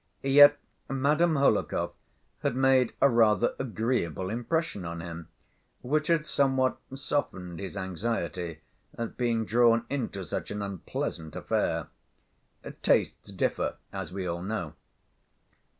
Yet Madame Hohlakov had made a rather agreeable impression on him, which had somewhat softened his anxiety at being drawn into such an unpleasant affair. Tastes differ, as we all know.